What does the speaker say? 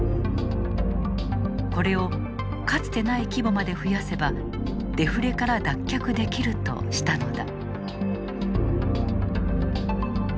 これをかつてない規模まで増やせばデフレから脱却できるとしたのだ。